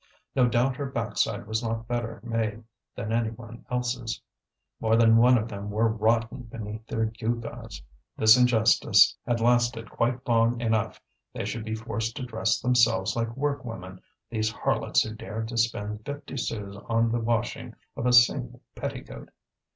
No doubt her backside was not better made than any one else's. More than one of them were rotten beneath their gewgaws. This injustice had lasted quite long enough; they should be forced to dress themselves like workwomen, these harlots who dared to spend fifty sous on the washing of a single petticoat.